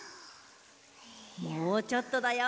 もうちょっとだよ。